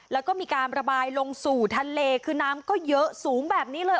แล้วก็มีการระบายลงสู่ทะเลคือน้ำก็เยอะสูงแบบนี้เลย